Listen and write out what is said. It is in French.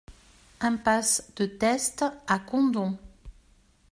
Impasse de Teste à Condom